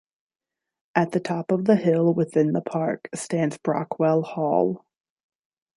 At the top of the hill within the park stands Brockwell Hall.